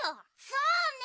そうね！